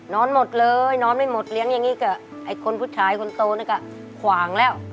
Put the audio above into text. นอนหมดเลยนอนไม่หมดเลี้ยงอย่างนี้ก็ไอ้คนผู้ชายคนโตนี่ก็ขวางแล้ว